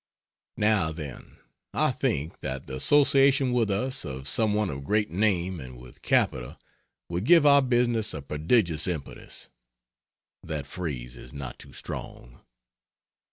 Now then I think that the association with us of some one of great name and with capital would give our business a prodigious impetus that phrase is not too strong.